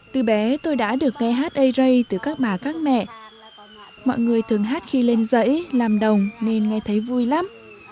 từ bé tôi đã được nghe hát ây rây từ các bà các mẹ mọi người thường hát khi lên giấy làm đồng nên nghe thấy vui lắm